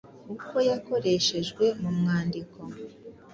uko yakorehejwe mu mwandiko: